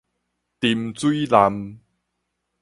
沉水艦